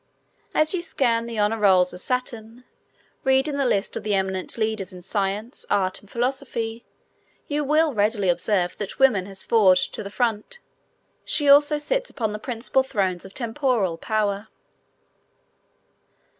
As you scan the honor rolls of Saturn, reading the list of the eminent leaders in science, art and philosophy, you will readily observe that woman has forged to the front. She also sits upon the principal thrones of temporal power.